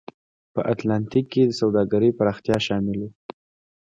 په اتلانتیک کې د سوداګرۍ پراختیا شامل و.